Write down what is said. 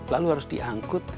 lalu harus diangkut